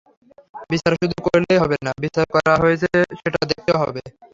বিচার শুধু করলেই হবে না, বিচার করা হয়েছে সেটা দেখাতেও হবে।